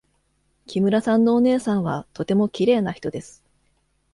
木村さんのお姉さんはとてもきれいな人です。